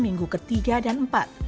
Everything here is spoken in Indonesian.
minggu ke tiga dan ke empat